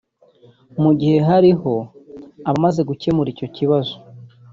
mu gihe hariho abamaze gukemura icyo kibazo